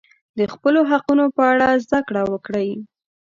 د خپلو حقونو په اړه زده کړه وکړئ.